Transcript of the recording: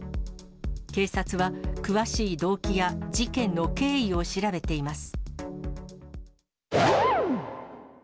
警察は詳しい動機や事件の経緯を調べています。